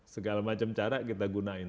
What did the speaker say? segala macam cara kita gunain